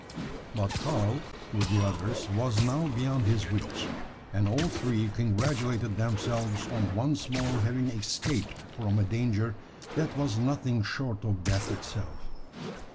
But Karl, with the others, was now beyond his reach; and all three congratulated themselves on once more having escaped from a danger that was nothing short of death itself.